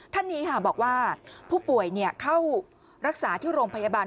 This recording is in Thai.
ท่านนี้ค่ะบอกว่าผู้ป่วยเข้ารักษาที่โรงพยาบาล